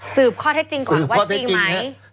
สืบข้อเท็จจริงกว่าว่าจริงไหม